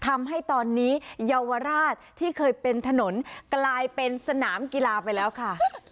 ทำให้ตอนนี้เยาวราชที่เคยเป็นถนนกลายเป็นสนามกีฬาไปแล้วค่ะ